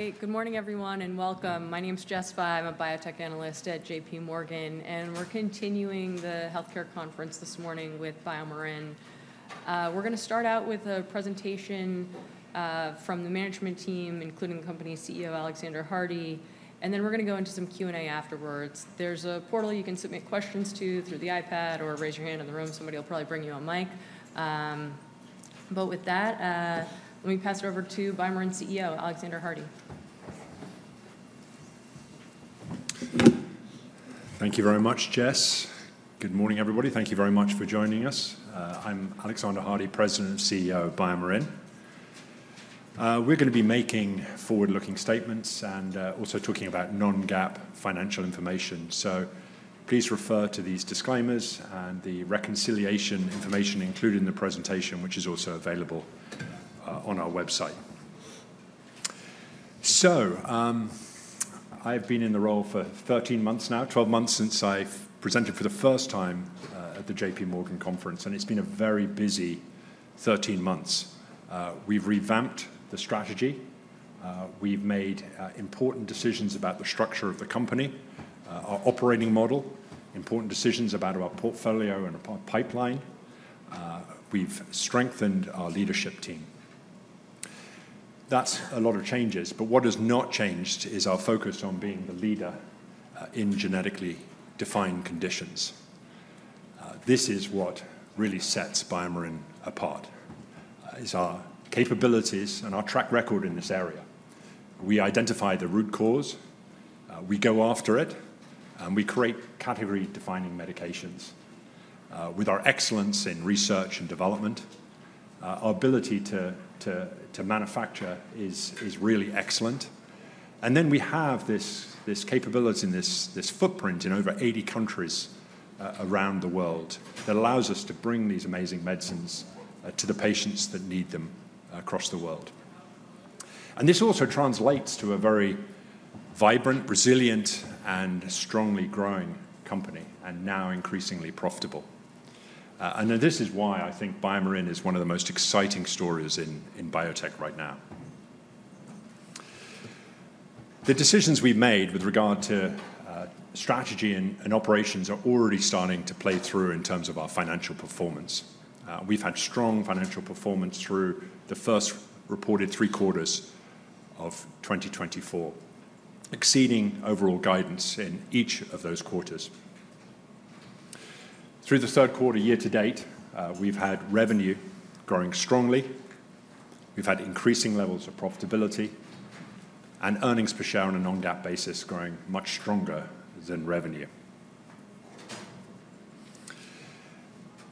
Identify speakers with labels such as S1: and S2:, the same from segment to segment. S1: Hey, good morning, everyone, and welcome. My name's Jessica Fye. I'm a biotech analyst at J.P. Morgan, and we're continuing the healthcare conference this morning with BioMarin. We're going to start out with a presentation from the management team, including the company's CEO, Alexander Hardy, and then we're going to go into some Q&A afterwards. There's a portal you can submit questions to through the iPad or raise your hand in the room. Somebody will probably bring you a mic. But with that, let me pass it over to BioMarin CEO, Alexander Hardy.
S2: Thank you very much, Jess. Good morning, everybody. Thank you very much for joining us. I'm Alexander Hardy, President and CEO of BioMarin. We're going to be making forward-looking statements and also talking about non-GAAP financial information. So please refer to these disclaimers and the reconciliation information included in the presentation, which is also available on our website. So I've been in the role for 13 months now, 12 months since I presented for the first time at the J.P. Morgan conference, and it's been a very busy 13 months. We've revamped the strategy. We've made important decisions about the structure of the company, our operating model, important decisions about our portfolio and our pipeline. We've strengthened our leadership team. That's a lot of changes, but what has not changed is our focus on being the leader in genetically defined conditions. This is what really sets BioMarin apart, is our capabilities and our track record in this area. We identify the root cause, we go after it, and we create category-defining medications with our excellence in research and development. Our ability to manufacture is really excellent, and then we have this capability and this footprint in over 80 countries around the world that allows us to bring these amazing medicines to the patients that need them across the world, and this also translates to a very vibrant, resilient, and strongly growing company, and now increasingly profitable, and this is why I think BioMarin is one of the most exciting stories in biotech right now. The decisions we've made with regard to strategy and operations are already starting to play through in terms of our financial performance. We've had strong financial performance through the first reported three quarters of 2024, exceeding overall guidance in each of those quarters. Through the third quarter year to date, we've had revenue growing strongly. We've had increasing levels of profitability and earnings per share on a non-GAAP basis growing much stronger than revenue.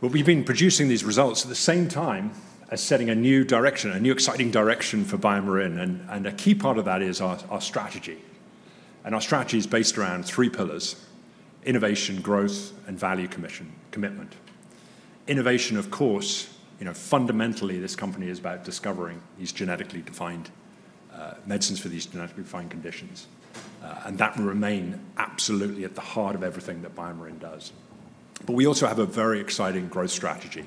S2: But we've been producing these results at the same time as setting a new direction, a new exciting direction for BioMarin, and a key part of that is our strategy and our strategy is based around three pillars: innovation, growth, and value commitment. Innovation, of course, fundamentally this company is about discovering these genetically defined medicines for these genetically defined conditions, and that will remain absolutely at the heart of everything that BioMarin does, but we also have a very exciting growth strategy.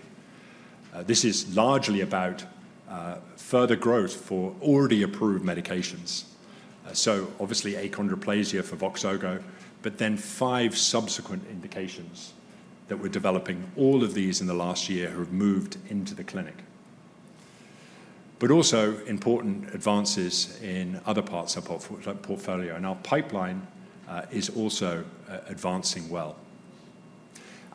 S2: This is largely about further growth for already approved medications. Obviously achondroplasia for Voxogo, but then five subsequent indications that we're developing, all of these in the last year, have moved into the clinic. But also important advances in other parts of our portfolio, and our pipeline is also advancing well.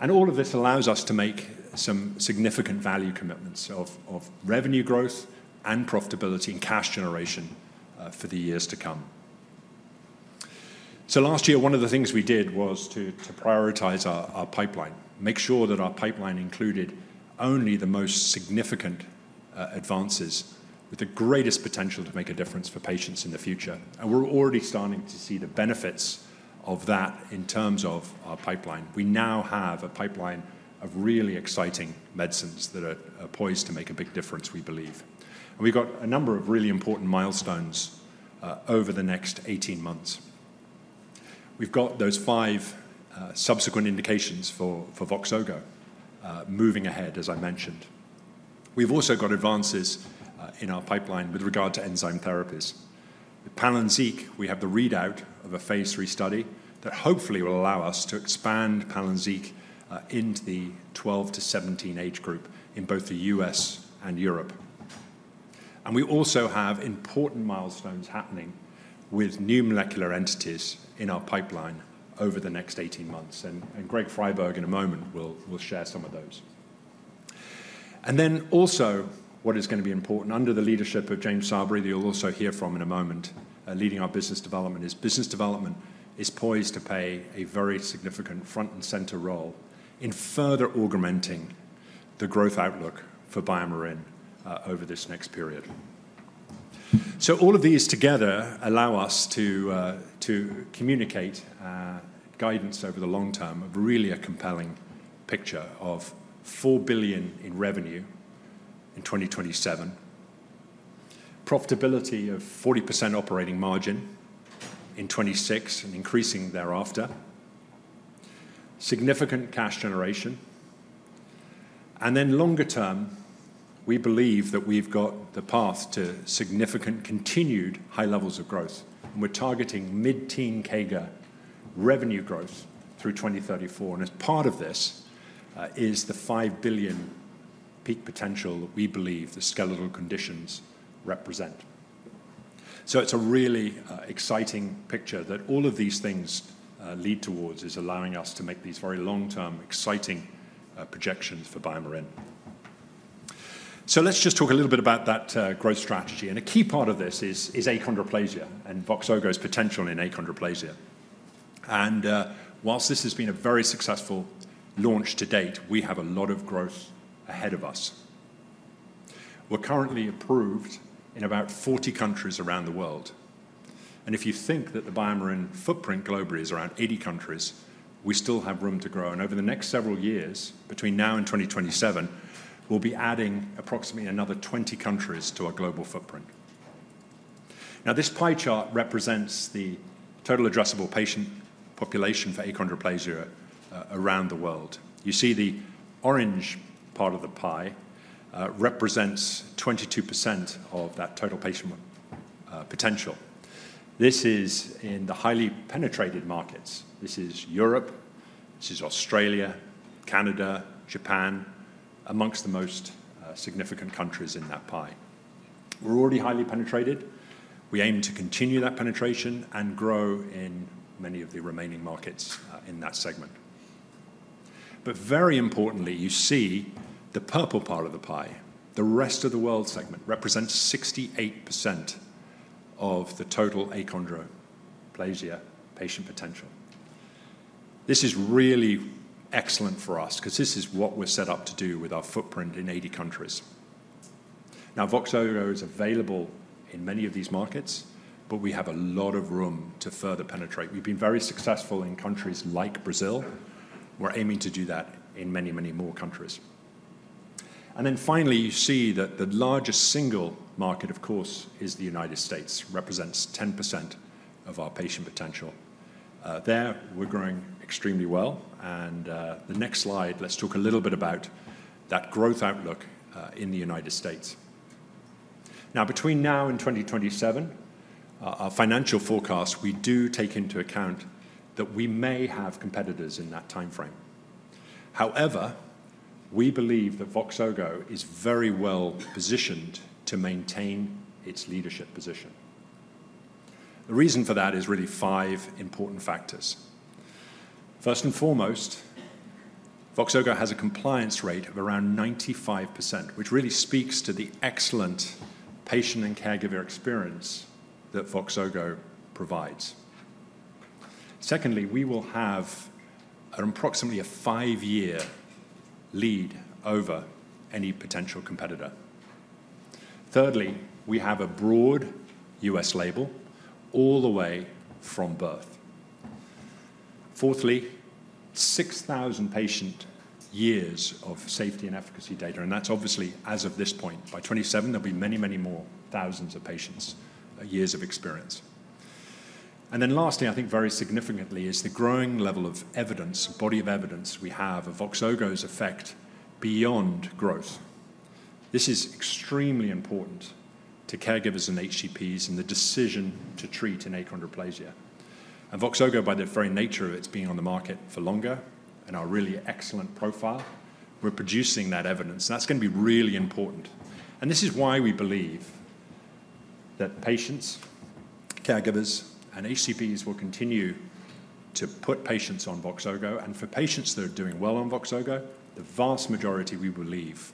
S2: And all of this allows us to make some significant value commitments of revenue growth and profitability and cash generation for the years to come. Last year, one of the things we did was to prioritize our pipeline, make sure that our pipeline included only the most significant advances with the greatest potential to make a difference for patients in the future. And we're already starting to see the benefits of that in terms of our pipeline. We now have a pipeline of really exciting medicines that are poised to make a big difference, we believe. And we've got a number of really important milestones over the next 18 months. We've got those five subsequent indications for Voxogo moving ahead, as I mentioned. We've also got advances in our pipeline with regard to enzyme therapies. With Palynziq, we have the readout of a phase three study that hopefully will allow us to expand Palynziq into the 12-17 age group in both the U.S. and Europe. And we also have important milestones happening with new molecular entities in our pipeline over the next 18 months. And Greg Friberg, in a moment, will share some of those. And then also what is going to be important under the leadership of James Sabry, that you'll also hear from in a moment, leading our business development, is business development is poised to play a very significant front and center role in further augmenting the growth outlook for BioMarin over this next period. So all of these together allow us to communicate guidance over the long term of really a compelling picture of $4 billion in revenue in 2027, profitability of 40% operating margin in 2026 and increasing thereafter, significant cash generation. And then longer term, we believe that we've got the path to significant continued high levels of growth, and we're targeting mid-teen CAGR revenue growth through 2034. And as part of this is the $5 billion peak potential that we believe the skeletal conditions represent. So it's a really exciting picture that all of these things lead towards is allowing us to make these very long-term exciting projections for BioMarin. So let's just talk a little bit about that growth strategy. And a key part of this is achondroplasia and Voxogo's potential in achondroplasia. And while this has been a very successful launch to date, we have a lot of growth ahead of us. We're currently approved in about 40 countries around the world. And if you think that the BioMarin footprint globally is around 80 countries, we still have room to grow. And over the next several years, between now and 2027, we'll be adding approximately another 20 countries to our global footprint. Now, this pie chart represents the total addressable patient population for achondroplasia around the world. You see the orange part of the pie represents 22% of that total patient potential. This is in the highly penetrated markets. This is Europe. This is Australia, Canada, Japan, among the most significant countries in that pie. We're already highly penetrated. We aim to continue that penetration and grow in many of the remaining markets in that segment, but very importantly, you see the purple part of the pie, the rest of the world segment, represents 68% of the total achondroplasia patient potential. This is really excellent for us because this is what we're set up to do with our footprint in 80 countries. Now, Voxogo is available in many of these markets, but we have a lot of room to further penetrate. We've been very successful in countries like Brazil. We're aiming to do that in many, many more countries, and then finally, you see that the largest single market, of course, is the United States, represents 10% of our patient potential. There, we're growing extremely well. The next slide, let's talk a little bit about that growth outlook in the United States. Now, between now and 2027, our financial forecast, we do take into account that we may have competitors in that timeframe. However, we believe that Voxogo is very well positioned to maintain its leadership position. The reason for that is really five important factors. First and foremost, Voxogo has a compliance rate of around 95%, which really speaks to the excellent patient and caregiver experience that Voxogo provides. Secondly, we will have approximately a five-year lead over any potential competitor. Thirdly, we have a broad U.S. label all the way from birth. Fourthly, 6,000 patient years of safety and efficacy data. And that's obviously, as of this point, by 2027, there'll be many, many more thousands of patients, years of experience. And then lastly, I think very significantly, is the growing level of evidence, body of evidence we have of Voxogo's effect beyond growth. This is extremely important to caregivers and HCPs and the decision to treat in achondroplasia. And Voxogo, by the very nature of its being on the market for longer and our really excellent profile, we're producing that evidence. And that's going to be really important. And this is why we believe that patients, caregivers, and HCPs will continue to put patients on Voxogo. And for patients that are doing well on Voxogo, the vast majority, we believe,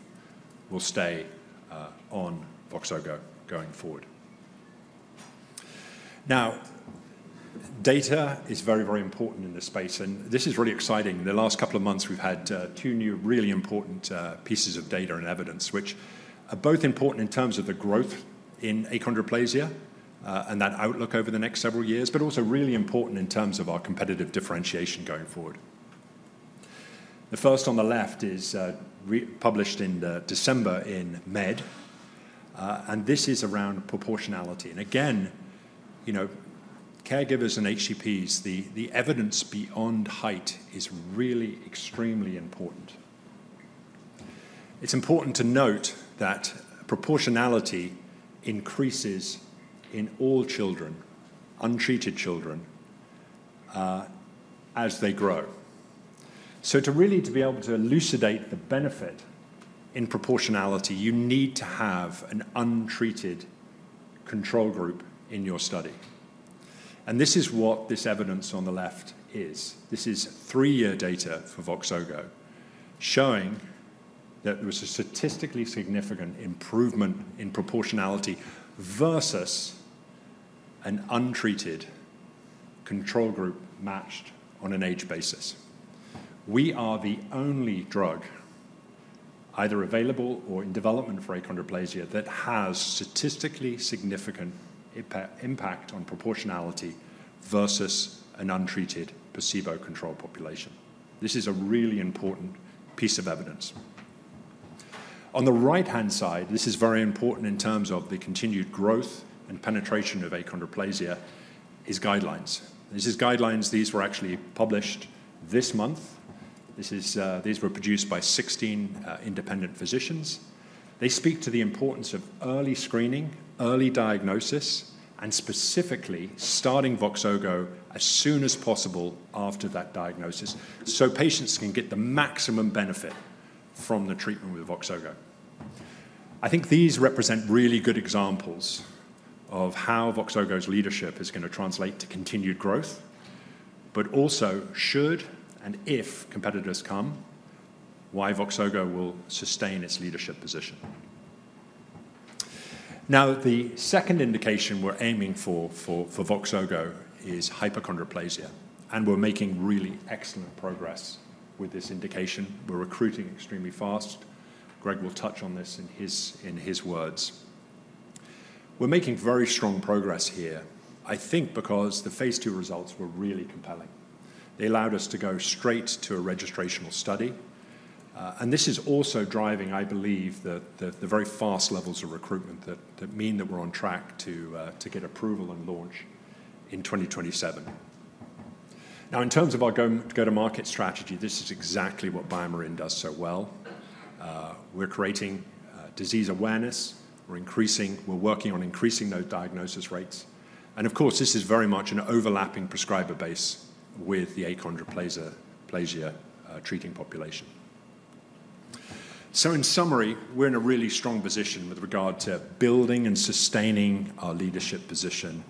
S2: will stay on Voxogo going forward. Now, data is very, very important in this space, and this is really exciting. In the last couple of months, we've had two new, really important pieces of data and evidence, which are both important in terms of the growth in achondroplasia and that outlook over the next several years, but also really important in terms of our competitive differentiation going forward. The first on the left is published in December in Med, and this is around proportionality, and again, caregivers and HCPs, the evidence beyond height is really extremely important. It's important to note that proportionality increases in all children, untreated children, as they grow. So to really be able to elucidate the benefit in proportionality, you need to have an untreated control group in your study, and this is what this evidence on the left is. This is three-year data for Voxogo, showing that there was a statistically significant improvement in proportionality versus an untreated control group matched on an age basis. We are the only drug, either available or in development for achondroplasia, that has statistically significant impact on proportionality versus an untreated placebo-controlled population. This is a really important piece of evidence. On the right-hand side, this is very important in terms of the continued growth and penetration of Voxogo in achondroplasia. These guidelines, these were actually published this month. These were produced by 16 independent physicians. They speak to the importance of early screening, early diagnosis, and specifically starting Voxogo as soon as possible after that diagnosis so patients can get the maximum benefit from the treatment with Voxogo. I think these represent really good examples of how Voxogo's leadership is going to translate to continued growth, but also should and if competitors come, why Voxogo will sustain its leadership position. Now, the second indication we're aiming for Voxogo is hypochondroplasia, and we're making really excellent progress with this indication. We're recruiting extremely fast. Greg will touch on this in his words. We're making very strong progress here, I think, because the phase two results were really compelling. They allowed us to go straight to a registrational study. And this is also driving, I believe, the very fast levels of recruitment that mean that we're on track to get approval and launch in 2027. Now, in terms of our go-to-market strategy, this is exactly what BioMarin does so well. We're creating disease awareness. We're increasing, we're working on increasing those diagnosis rates. And of course, this is very much an overlapping prescriber base with the achondroplasia treating population. In summary, we're in a really strong position with regard to building and sustaining our leadership position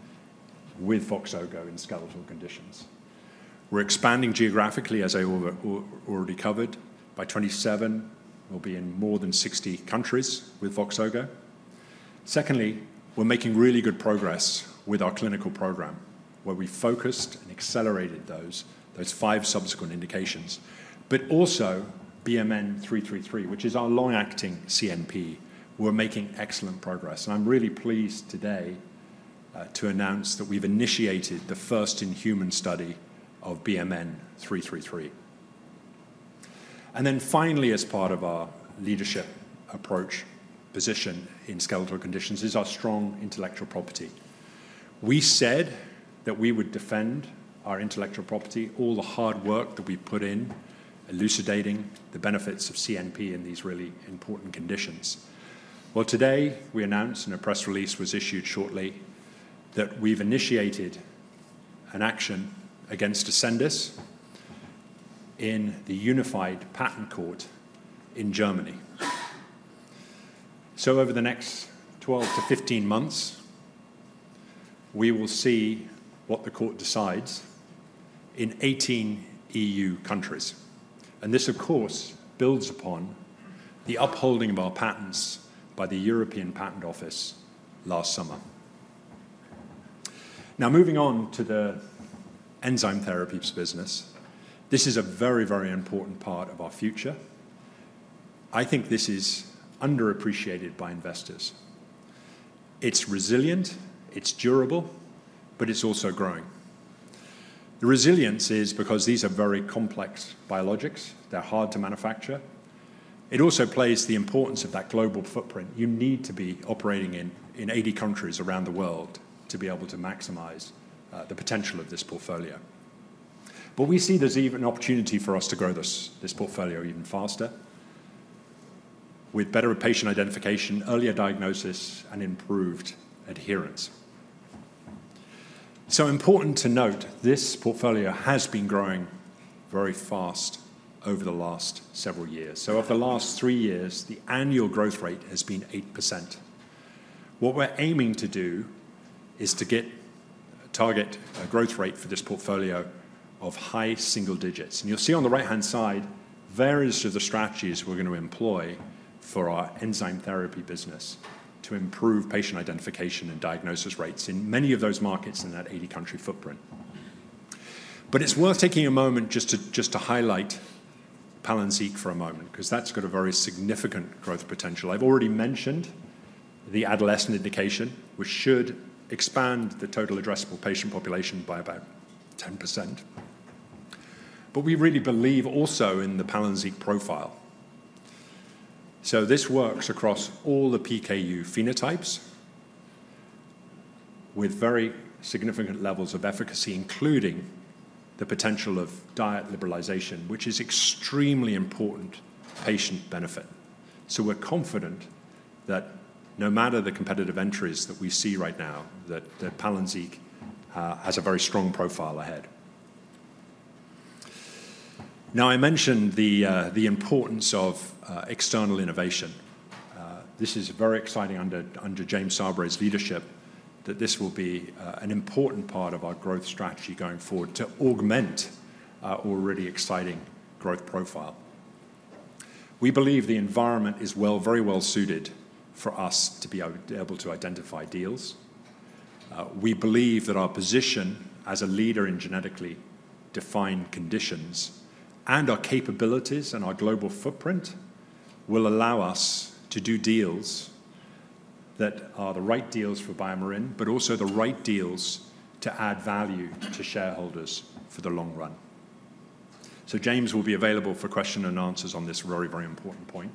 S2: with Voxogo in skeletal conditions. We're expanding geographically, as I already covered. By 2027, we'll be in more than 60 countries with Voxogo. Secondly, we're making really good progress with our clinical program, where we focused and accelerated those five subsequent indications, but also BMN 333, which is our long-acting CNP. We're making excellent progress. I'm really pleased today to announce that we've initiated the first in-human study of BMN 333. Finally, as part of our leadership approach position in skeletal conditions is our strong intellectual property. We said that we would defend our intellectual property, all the hard work that we've put in elucidating the benefits of CNP in these really important conditions. Today we announced in a press release that was issued shortly that we've initiated an action against Ascendis in the Unified Patent Court in Germany. So over the next 12-15 months, we will see what the court decides in 18 EU countries. This, of course, builds upon the upholding of our patents by the European Patent Office last summer. Now, moving on to the enzyme therapies business, this is a very, very important part of our future. I think this is underappreciated by investors. It's resilient, it's durable, but it's also growing. The resilience is because these are very complex biologics. They're hard to manufacture. It also plays the importance of that global footprint. You need to be operating in 80 countries around the world to be able to maximize the potential of this portfolio. But we see there's even an opportunity for us to grow this portfolio even faster with better patient identification, earlier diagnosis, and improved adherence. So important to note, this portfolio has been growing very fast over the last several years. So over the last three years, the annual growth rate has been 8%. What we're aiming to do is to get a target growth rate for this portfolio of high single digits. And you'll see on the right-hand side various of the strategies we're going to employ for our enzyme therapy business to improve patient identification and diagnosis rates in many of those markets in that 80-country footprint. But it's worth taking a moment just to highlight Palynziq for a moment because that's got a very significant growth potential. I've already mentioned the adolescent indication, which should expand the total addressable patient population by about 10%. But we really believe also in the Palynziq profile. So this works across all the PKU phenotypes with very significant levels of efficacy, including the potential of diet liberalization, which is extremely important patient benefit. So we're confident that no matter the competitive entries that we see right now, that Palynziq has a very strong profile ahead. Now, I mentioned the importance of external innovation. This is very exciting under James Sabry's leadership that this will be an important part of our growth strategy going forward to augment our already exciting growth profile. We believe the environment is very well suited for us to be able to identify deals. We believe that our position as a leader in genetically defined conditions and our capabilities and our global footprint will allow us to do deals that are the right deals for BioMarin, but also the right deals to add value to shareholders for the long run. So James will be available for questions and answers on this very, very important point.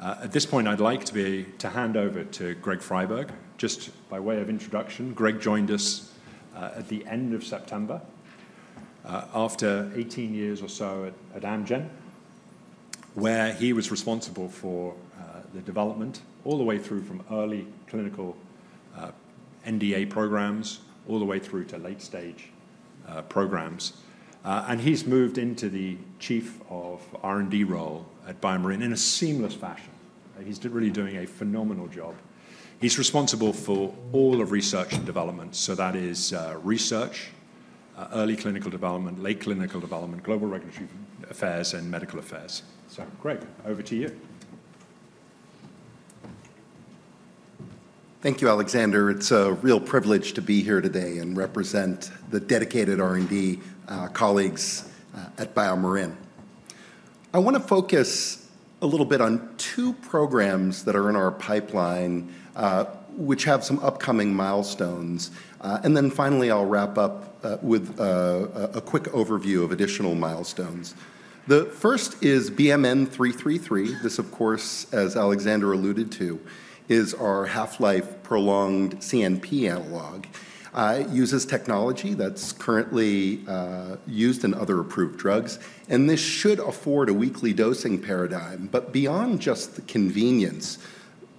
S2: At this point, I'd like to hand over to Greg Friberg. Just by way of introduction, Greg joined us at the end of September after 18 years or so at Amgen, where he was responsible for the development all the way through from early clinical NDA programs all the way through to late-stage programs, and he's moved into the Chief of R&D role at BioMarin in a seamless fashion. He's really doing a phenomenal job. He's responsible for all of research and development. That is research, early clinical development, late clinical development, global regulatory affairs, and medical affairs. Greg, over to you.
S3: Thank you, Alexander. It's a real privilege to be here today and represent the dedicated R&D colleagues at BioMarin. I want to focus a little bit on two programs that are in our pipeline, which have some upcoming milestones. Then finally, I'll wrap up with a quick overview of additional milestones. The first is BMN 333. This, of course, as Alexander alluded to, is our half-life prolonged CNP analog. It uses technology that's currently used in other approved drugs. And this should afford a weekly dosing paradigm. But beyond just the convenience,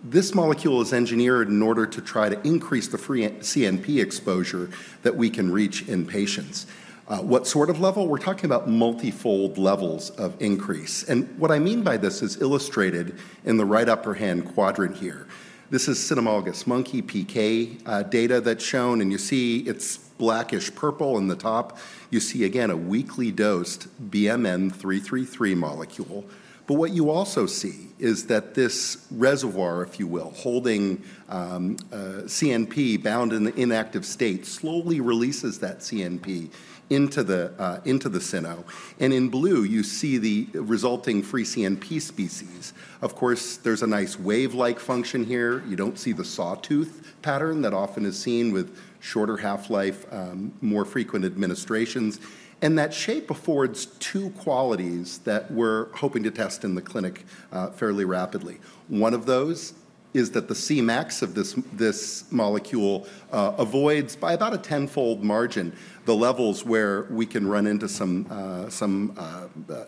S3: this molecule is engineered in order to try to increase the free CNP exposure that we can reach in patients. What sort of level? We're talking about multifold levels of increase. And what I mean by this is illustrated in the right upper-hand quadrant here. This is cynomolgus monkey PK data that's shown. And you see it's blackish-purple in the top. You see, again, a weekly dosed BMN 333 molecule. But what you also see is that this reservoir, if you will, holding CNP bound in the inactive state slowly releases that CNP into the system. And in blue, you see the resulting free CNP species. Of course, there's a nice wave-like function here. You don't see the sawtooth pattern that often is seen with shorter half-life, more frequent administrations. And that shape affords two qualities that we're hoping to test in the clinic fairly rapidly. One of those is that the Cmax of this molecule avoids by about a tenfold margin the levels where we can run into some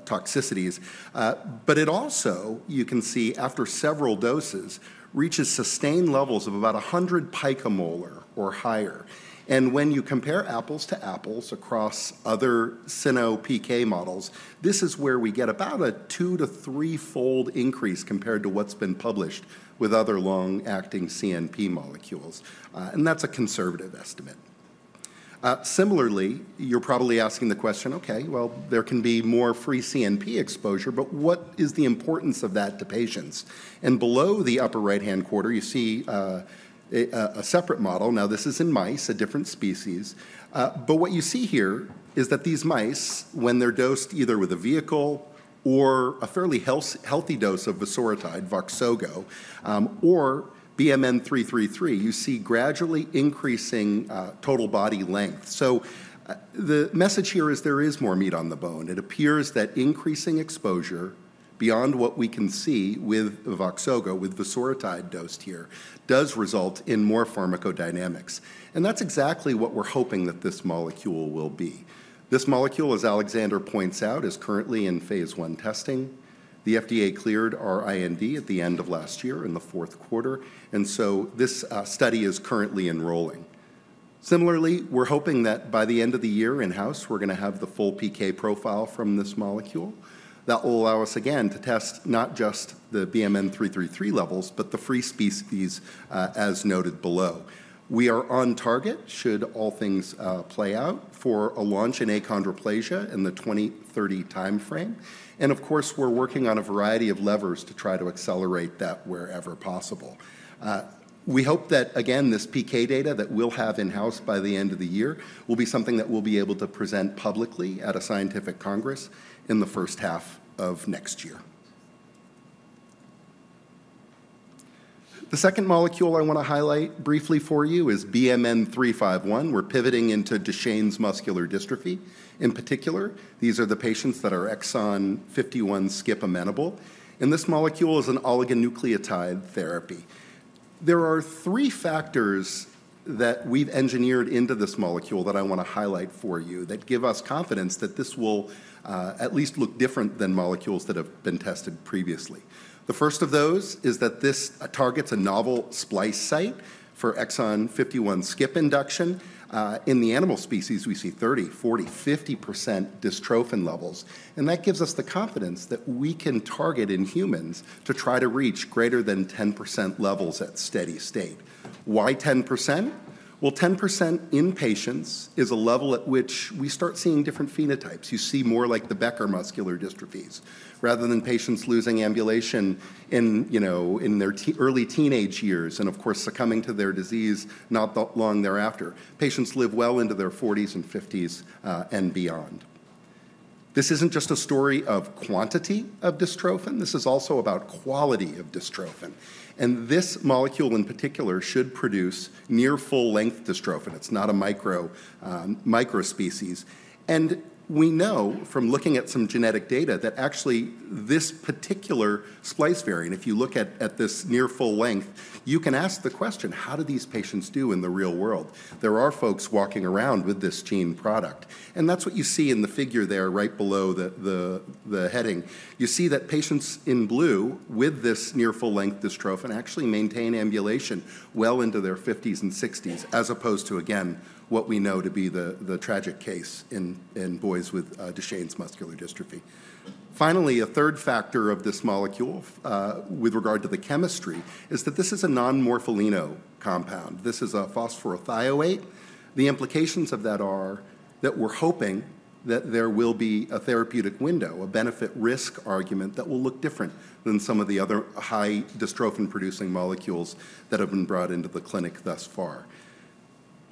S3: toxicities. But it also, you can see after several doses, reaches sustained levels of about 100 picomolar or higher. And when you compare apples to apples across other cyno PK models, this is where we get about a two- to threefold increase compared to what's been published with other long-acting CNP molecules. And that's a conservative estimate. Similarly, you're probably asking the question, "Okay, well, there can be more free CNP exposure, but what is the importance of that to patients?" And below the upper right-hand quadrant, you see a separate model. Now, this is in mice, a different species. But what you see here is that these mice, when they're dosed either with a vehicle or a fairly healthy dose of vosoritide, Voxogo, or BMN 333, you see gradually increasing total body length. So the message here is there is more meat on the bone. It appears that increasing exposure beyond what we can see with Voxogo, with vosoritide dosed here, does result in more pharmacodynamics, and that's exactly what we're hoping that this molecule will be. This molecule, as Alexander points out, is currently in phase one testing. The FDA cleared our IND at the end of last year in the fourth quarter, and so this study is currently enrolling. Similarly, we're hoping that by the end of the year in-house, we're going to have the full PK profile from this molecule. That will allow us, again, to test not just the BMN 333 levels, but the free species as noted below. We are on target, should all things play out, for a launch in achondroplasia in the 2030 timeframe, and of course, we're working on a variety of levers to try to accelerate that wherever possible. We hope that, again, this PK data that we'll have in-house by the end of the year will be something that we'll be able to present publicly at a scientific congress in the first half of next year. The second molecule I want to highlight briefly for you is BMN 351. We're pivoting into Duchenne muscular dystrophy. In particular, these are the patients that are exon 51 skip amenable, and this molecule is an oligonucleotide therapy. There are three factors that we've engineered into this molecule that I want to highlight for you that give us confidence that this will at least look different than molecules that have been tested previously. The first of those is that this targets a novel splice site for exon 51 skip induction. In the animal species, we see 30%, 40%, 50% dystrophin levels. That gives us the confidence that we can target in humans to try to reach greater than 10% levels at steady state. Why 10%? 10% in patients is a level at which we start seeing different phenotypes. You see more like the Becker muscular dystrophies rather than patients losing ambulation in their early teenage years and, of course, succumbing to their disease not long thereafter. Patients live well into their 40s and 50s and beyond. This isn't just a story of quantity of dystrophin. This is also about quality of dystrophin. This molecule in particular should produce near full-length dystrophin. It's not a micro-species. We know from looking at some genetic data that actually this particular splice variant, if you look at this near full-length, you can ask the question, "How do these patients do in the real world?" There are folks walking around with this gene product. And that's what you see in the figure there right below the heading. You see that patients in blue with this near full-length dystrophin actually maintain ambulation well into their 50s and 60s, as opposed to, again, what we know to be the tragic case in boys with Duchenne muscular dystrophy. Finally, a third factor of this molecule with regard to the chemistry is that this is a non-morpholino compound. This is a phosphorothioate. The implications of that are that we're hoping that there will be a therapeutic window, a benefit-risk argument that will look different than some of the other high dystrophin-producing molecules that have been brought into the clinic thus far.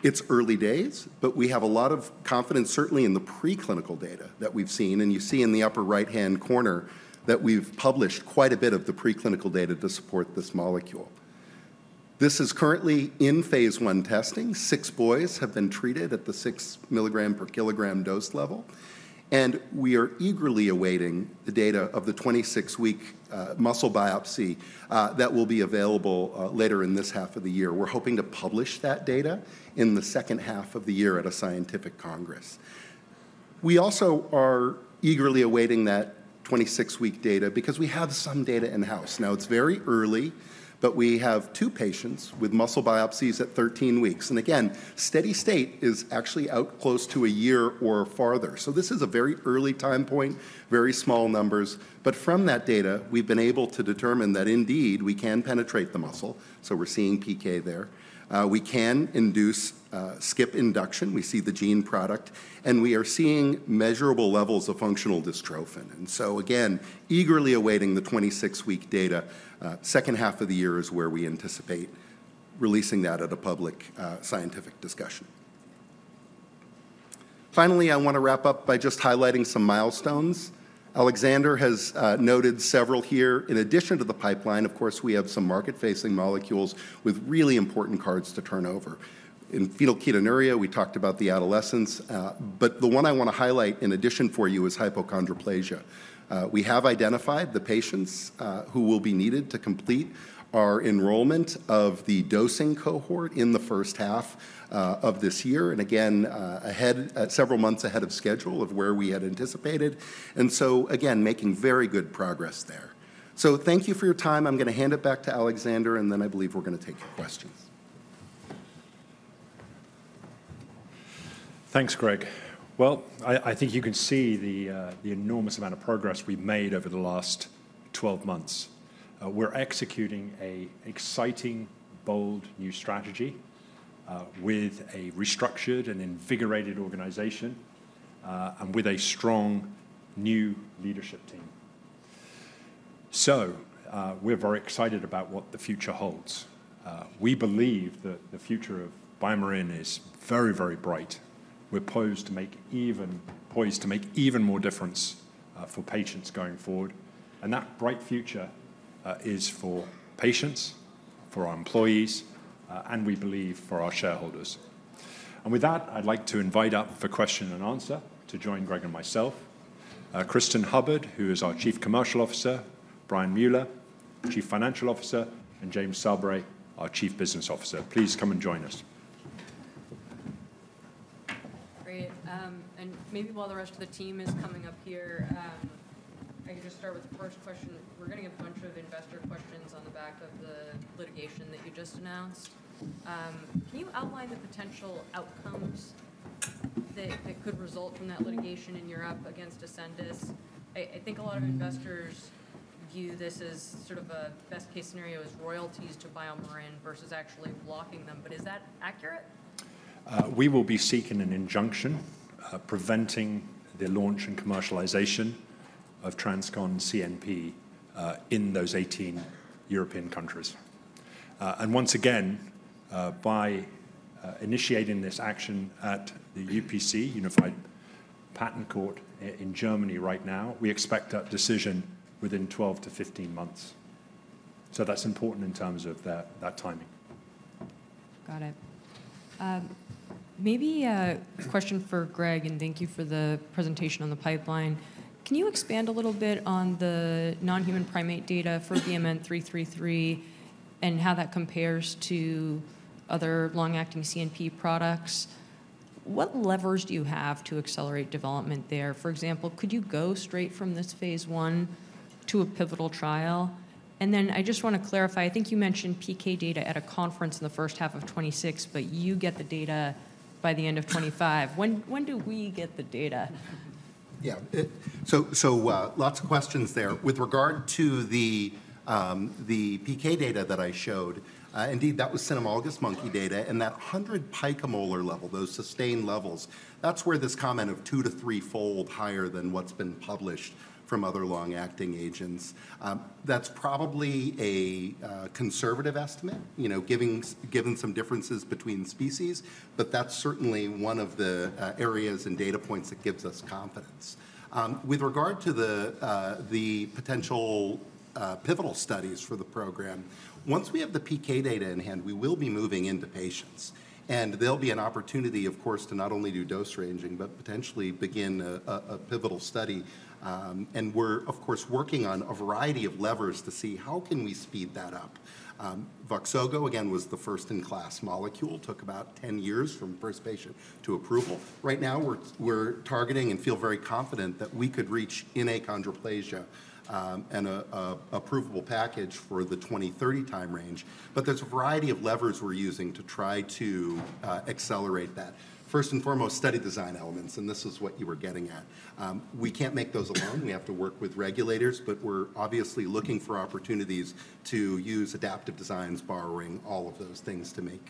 S3: It's early days, but we have a lot of confidence, certainly in the preclinical data that we've seen. You see in the upper right-hand corner that we've published quite a bit of the preclinical data to support this molecule. This is currently in phase one testing. Six boys have been treated at the six milligram per kilogram dose level. We are eagerly awaiting the data of the 26-week muscle biopsy that will be available later in this half of the year. We're hoping to publish that data in the second half of the year at a scientific congress. We also are eagerly awaiting that 26-week data because we have some data in-house. Now, it's very early, but we have two patients with muscle biopsies at 13 weeks. And again, steady state is actually out close to a year or farther. So this is a very early time point, very small numbers. But from that data, we've been able to determine that indeed we can penetrate the muscle. So we're seeing PK there. We can induce skip induction. We see the gene product. And we are seeing measurable levels of functional dystrophin. And so, again, eagerly awaiting the 26-week data. Second half of the year is where we anticipate releasing that at a public scientific discussion. Finally, I want to wrap up by just highlighting some milestones. Alexander has noted several here. In addition to the pipeline, of course, we have some market-facing molecules with really important cards to turn over. In phenylketonuria, we talked about the adolescents, but the one I want to highlight in addition for you is hypochondroplasia. We have identified the patients who will be needed to complete our enrollment of the dosing cohort in the first half of this year, and again, several months ahead of schedule of where we had anticipated, and so again making very good progress there, so thank you for your time. I'm going to hand it back to Alexander, and then I believe we're going to take your questions.
S2: Thanks, Greg. Well, I think you can see the enormous amount of progress we've made over the last 12 months. We're executing an exciting, bold new strategy with a restructured and invigorated organization and with a strong new leadership team. So we're very excited about what the future holds. We believe that the future of BioMarin is very, very bright. We're poised to make even more difference for patients going forward. And that bright future is for patients, for our employees, and we believe for our shareholders. And with that, I'd like to invite up for question and answer to join Greg and myself, Cristin Hubbard, who is our Chief Commercial Officer, Brian Mueller, Chief Financial Officer, and James Sabry, our Chief Business Officer. Please come and join us.
S1: Great. And maybe while the rest of the team is coming up here, I can just start with the first question. We're getting a bunch of investor questions on the back of the litigation that you just announced. Can you outline the potential outcomes that could result from that litigation in Europe against Ascendis? I think a lot of investors view this as sort of a best-case scenario as royalties to BioMarin versus actually blocking them. But is that accurate?
S2: We will be seeking an injunction preventing the launch and commercialization of TransCon CNP in those 18 European countries. And once again, by initiating this action at the UPC, Unified Patent Court in Germany right now, we expect that decision within 12-15 months. So that's important in terms of that timing.
S1: Got it. Maybe a question for Greg, and thank you for the presentation on the pipeline. Can you expand a little bit on the non-human primate data for BMN 333 and how that compares to other long-acting CNP products? What levers do you have to accelerate development there? For example, could you go straight from this phase one to a pivotal trial? And then I just want to clarify. I think you mentioned PK data at a conference in the first half of 2026, but you get the data by the end of 2025. When do we get the data?
S3: Yeah. So lots of questions there. With regard to the PK data that I showed, indeed, that was cynomolgus monkey data. And that 100 picomolar level, those sustained levels, that's where this comment of two to threefold higher than what's been published from other long-acting agents. That's probably a conservative estimate, given some differences between species. But that's certainly one of the areas and data points that gives us confidence. With regard to the potential pivotal studies for the program, once we have the PK data in hand, we will be moving into patients. And there'll be an opportunity, of course, to not only do dose ranging, but potentially begin a pivotal study. And we're, of course, working on a variety of levers to see how can we speed that up. Voxogo, again, was the first-in-class molecule. It took about 10 years from first patient to approval. Right now, we're targeting and feel very confident that we could reach in achondroplasia and an approvable package for the 2030 time range. But there's a variety of levers we're using to try to accelerate that. First and foremost, study design elements. And this is what you were getting at. We can't make those alone. We have to work with regulators. But we're obviously looking for opportunities to use adaptive designs, borrowing all of those things to make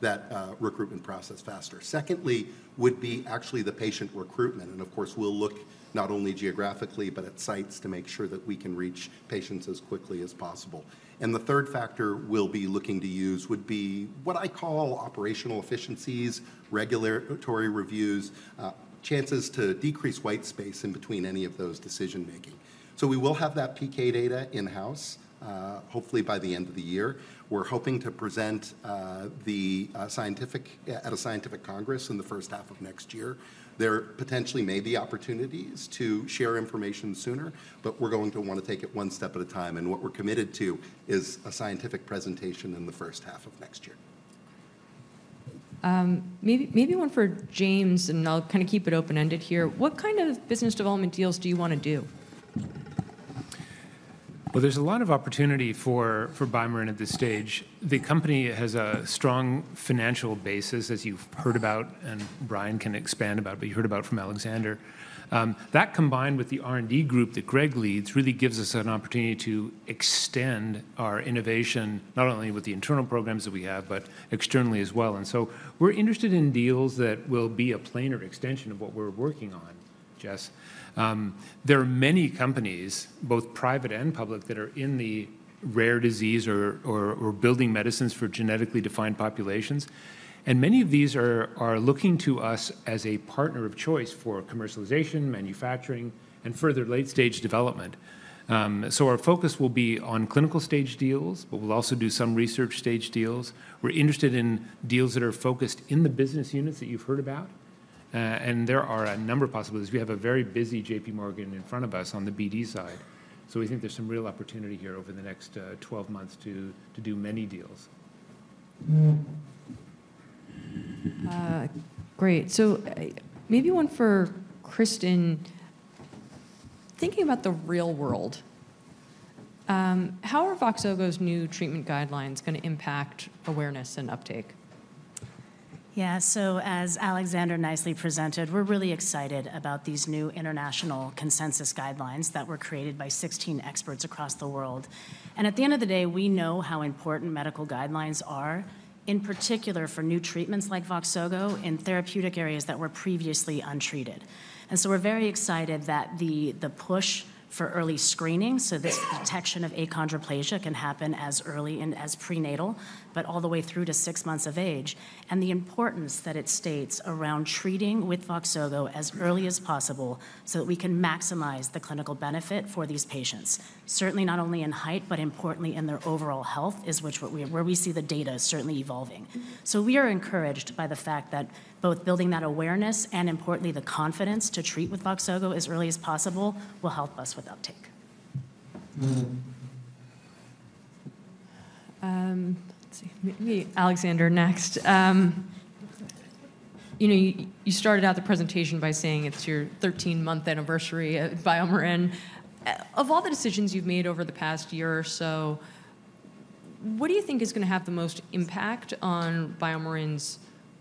S3: that recruitment process faster. Secondly would be actually the patient recruitment. And of course, we'll look not only geographically, but at sites to make sure that we can reach patients as quickly as possible. And the third factor we'll be looking to use would be what I call operational efficiencies, regulatory reviews, chances to decrease white space in between any of those decision-making. So we will have that PK data in-house, hopefully by the end of the year. We're hoping to present at a scientific congress in the first half of next year. There potentially may be opportunities to share information sooner, but we're going to want to take it one step at a time. And what we're committed to is a scientific presentation in the first half of next year.
S1: Maybe one for James, and I'll kind of keep it open-ended here. What kind of business development deals do you want to do?
S4: Well, there's a lot of opportunity for BioMarin at this stage. The company has a strong financial basis, as you've heard about and Brian can expand about, but you heard about from Alexander. That combined with the R&D group that Greg leads really gives us an opportunity to extend our innovation not only with the internal programs that we have, but externally as well. We're interested in deals that will be a platform extension of what we're working on, Jess. There are many companies, both private and public, that are in the rare disease or building medicines for genetically defined populations. Many of these are looking to us as a partner of choice for commercialization, manufacturing, and further late-stage development. Our focus will be on clinical stage deals, but we'll also do some research stage deals. We're interested in deals that are focused in the business units that you've heard about. There are a number of possibilities. We have a very busy J.P. Morgan in front of us on the BD side. We think there's some real opportunity here over the next 12 months to do many deals.
S1: Great. Maybe one for Cristin. Thinking about the real world, how are Voxogo's new treatment guidelines going to impact awareness and uptake?
S5: Yeah. As Alexander nicely presented, we're really excited about these new international consensus guidelines that were created by 16 experts across the world. At the end of the day, we know how important medical guidelines are, in particular for new treatments like Voxogo in therapeutic areas that were previously untreated. And so we're very excited that the push for early screening, so this detection of achondroplasia can happen as early and as prenatal, but all the way through to six months of age, and the importance that it states around treating with Voxogo as early as possible so that we can maximize the clinical benefit for these patients, certainly not only in height, but importantly in their overall health, is where we see the data certainly evolving. So we are encouraged by the fact that both building that awareness and, importantly, the confidence to treat with Voxogo as early as possible will help us with uptake.
S1: Let's see. Maybe Alexander next. You started out the presentation by saying it's your 13-month anniversary at BioMarin. Of all the decisions you've made over the past year or so, what do you think is going to have the most impact on BioMarin's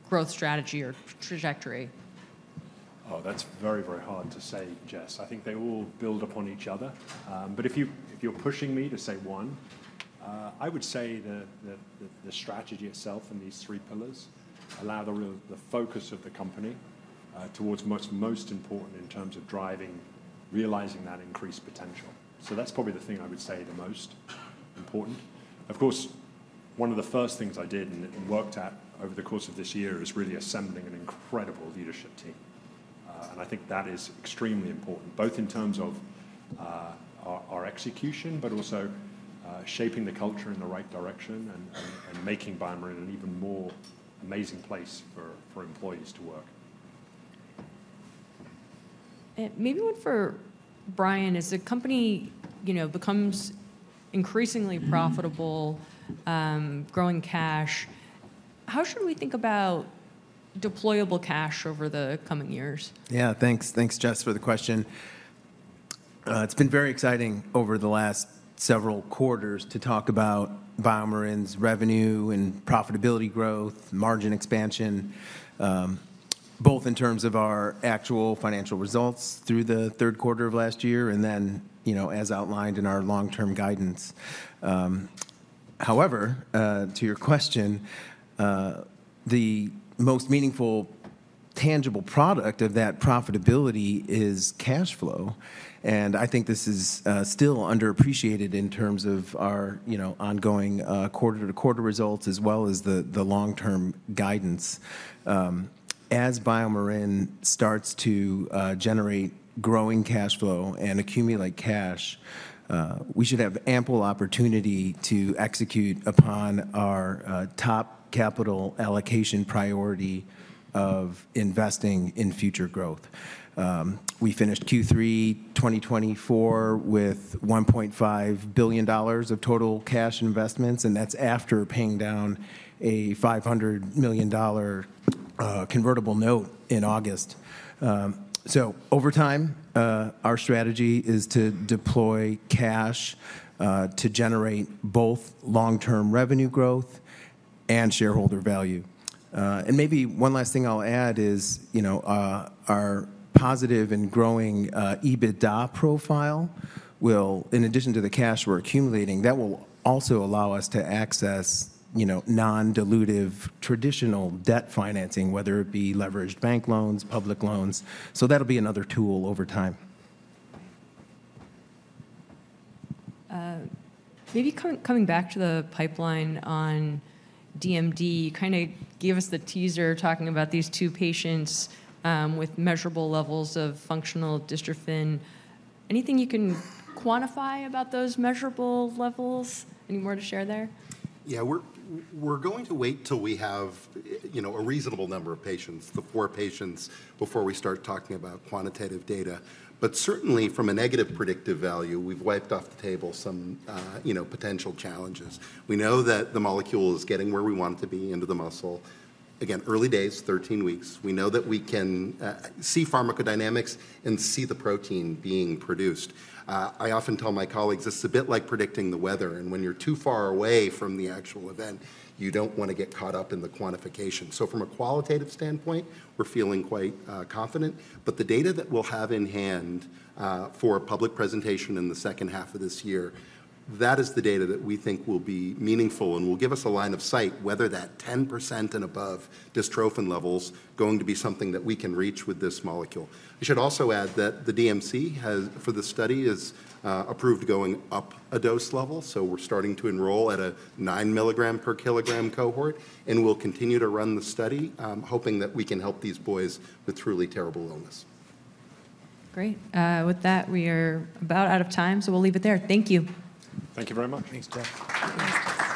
S1: growth strategy or trajectory?
S2: Oh, that's very, very hard to say, Jess. I think they all build upon each other. But if you're pushing me to say one, I would say the strategy itself and these three pillars allow the focus of the company towards what's most important in terms of driving, realizing that increased potential. So that's probably the thing I would say the most important. Of course, one of the first things I did and worked at over the course of this year is really assembling an incredible leadership team. And I think that is extremely important, both in terms of our execution, but also shaping the culture in the right direction and making BioMarin an even more amazing place for employees to work.
S1: Maybe one for Brian. As the company becomes increasingly profitable, growing cash, how should we think about deployable cash over the coming years?
S6: Yeah. Thanks, Jess, for the question. It's been very exciting over the last several quarters to talk about BioMarin's revenue and profitability growth, margin expansion, both in terms of our actual financial results through the third quarter of last year and then, as outlined in our long-term guidance. However, to your question, the most meaningful tangible product of that profitability is cash flow. And I think this is still underappreciated in terms of our ongoing quarter-to-quarter results as well as the long-term guidance. As BioMarin starts to generate growing cash flow and accumulate cash, we should have ample opportunity to execute upon our top capital allocation priority of investing in future growth. We finished Q3 2024 with $1.5 billion of total cash investments, and that's after paying down a $500 million convertible note in August. So over time, our strategy is to deploy cash to generate both long-term revenue growth and shareholder value. And maybe one last thing I'll add is our positive and growing EBITDA profile will, in addition to the cash we're accumulating, that will also allow us to access non-dilutive traditional debt financing, whether it be leveraged bank loans, public loans. So that'll be another tool over time.
S1: Maybe coming back to the pipeline on DMD, you kind of gave us the teaser talking about these two patients with measurable levels of functional dystrophin. Anything you can quantify about those measurable levels? Any more to share there?
S6: Yeah. We're going to wait till we have a reasonable number of patients, the four patients, before we start talking about quantitative data. But certainly, from a negative predictive value, we've wiped off the table some potential challenges. We know that the molecule is getting where we want it to be into the muscle. Again, early days, 13 weeks. We know that we can see pharmacodynamics and see the protein being produced. I often tell my colleagues it's a bit like predicting the weather. And when you're too far away from the actual event, you don't want to get caught up in the quantification. So from a qualitative standpoint, we're feeling quite confident. But the data that we'll have in hand for public presentation in the second half of this year, that is the data that we think will be meaningful and will give us a line of sight whether that 10% and above dystrophin level is going to be something that we can reach with this molecule. I should also add that the DMC for the study has approved going up a dose level. So we're starting to enroll at a nine milligram per kilogram cohort. And we'll continue to run the study, hoping that we can help these boys with truly terrible illness.
S1: Great. With that, we are about out of time. So we'll leave it there. Thank you.
S6: Thank you very much.
S2: Thanks, Jess.